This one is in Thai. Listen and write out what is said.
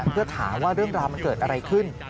เพื่อถามว่าเรื่องราวมันเกิดอะไรขึ้น